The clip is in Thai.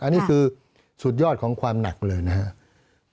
อันนี้คือสุดยอดของความหนักเลยนะครับ